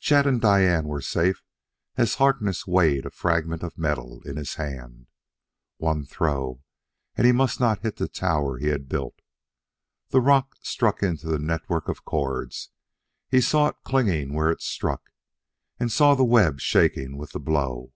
Chet and Diane were safe as Harkness weighed a fragment of metal in his hand. One throw and he must not hit the tower he had built.... The rock struck into the network of cords; he saw it clinging where it struck, and saw the web shaking with the blow.